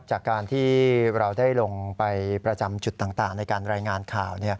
จากการที่เราได้ลงไปประจำจุดต่างในการรายงานข่าว